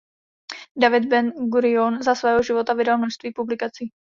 David Ben Gurion za svého života vydal množství publikací.